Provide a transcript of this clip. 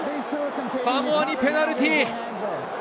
サモアにペナルティー。